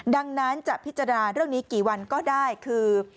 ดังนั้นจะพิจารณาเรื่องนี้กี่วันก็ได้คือ